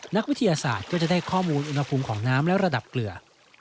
นักวิทยาศาสตร์ก็จะได้ข้อมูลอุณหภูมิของน้ำและระดับเกลือ